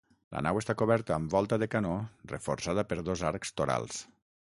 La nau està coberta amb volta de canó reforçada per dos arcs torals.